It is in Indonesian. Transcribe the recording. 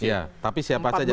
ya tapi siapa saja